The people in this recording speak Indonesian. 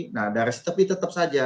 nah dari setepi tetap saja